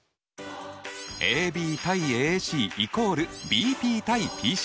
ＡＢ：ＡＣ＝ＢＰ：ＰＣ。